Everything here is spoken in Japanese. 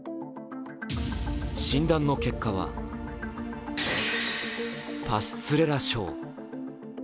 診断の結果は、パスツレラ症。